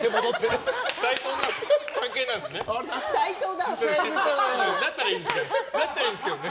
だったらいいんですけどね。